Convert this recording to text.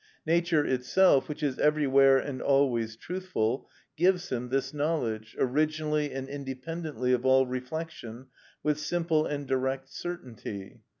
Nature itself, which is everywhere and always truthful, gives him this knowledge, originally and independently of all reflection, with simple and direct certainty.